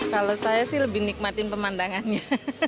kalau saya sih lebih nikmatin pemandangannya